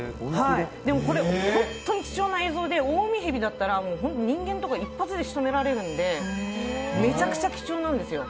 本当に貴重な映像で、オオウミヘビだったら、人間とか、一発でしとめられるんでめちゃくちゃ貴重なんですよ。